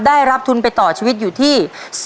ได้รับทุนไปต่อชีวิตอยู่ที่